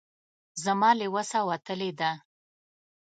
زما له وسه وتلې ده.